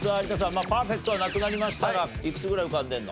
まあパーフェクトはなくなりましたがいくつぐらい浮かんでるの？